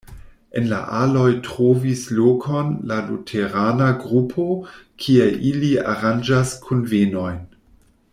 En la aloj trovis lokon la luterana grupo, kie ili aranĝas kunvenojn.